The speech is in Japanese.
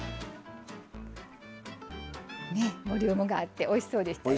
ねえボリュームがあっておいしそうでしたよね。